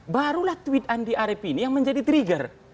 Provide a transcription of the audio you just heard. barulah tweet andi arief ini yang menjadi trigger